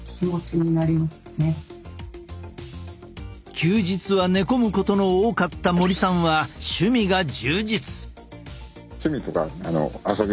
休日は寝込むことの多かった森さんは趣味が充実！